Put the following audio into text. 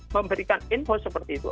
memberikan info seperti itu